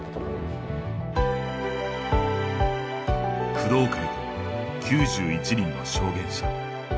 工藤会と９１人の証言者。